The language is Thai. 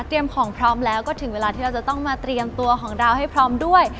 ของพร้อมแล้วก็ถึงเวลาที่เราจะต้องมาเตรียมตัวของเราให้พร้อมด้วย